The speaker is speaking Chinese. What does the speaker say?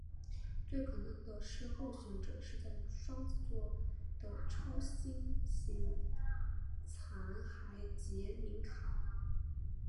最可能的候选者是在双子座的超新星残骸杰敏卡。